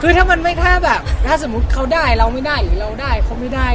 คือถ้ามันไม่ถ้าแบบถ้าสมมุติเขาได้เราไม่ได้หรือเราได้เขาไม่ได้